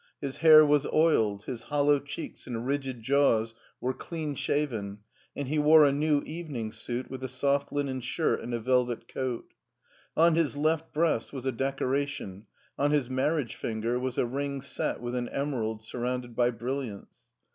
His hair was oiled, his hollow cheeks and rigid jaws were clean shaven, and he wore a new evening suit with a soft linen shirt and a velvet coat. On his left breast was a decoration, on his marriage finger was a ring set with an emerald surrounded by brilliants.